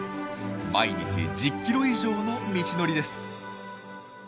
毎日１０キロ以上の道のりです。